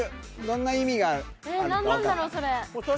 どんな意味があると。